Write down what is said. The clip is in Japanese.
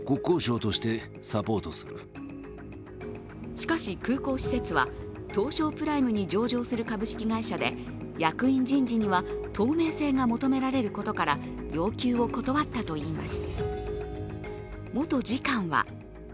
しかし、空港施設は東証プライムに上場する株式会社で役員人事には透明性が求められることから要求を断ったといいます。